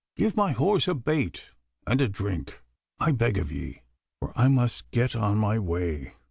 Give my horse a bait and a drink, I beg of ye, for I must get on my way.